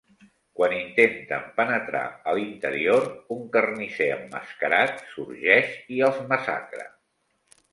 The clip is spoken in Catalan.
Quan intenten penetrar a l'interior, un carnisser emmascarat sorgeix i els massacra.